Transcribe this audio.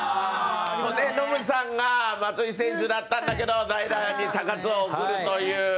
ノムさんが松井選手だったんだけど代打に高津を送るという。